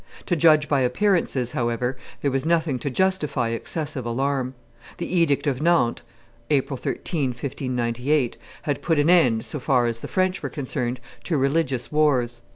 To judge by appearances, however, there was nothing to justify excessive alarm. The edict of Nantes (April 13, 1598) had put an end, so far as the French were concerned, to religious wars.